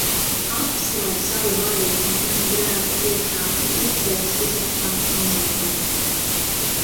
Apslēp Savu vaigu manu grēku priekšā un izdzēs visus manus noziegumus!